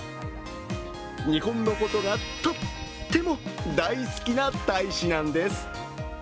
日本のことがとっても大好きな大使なんです。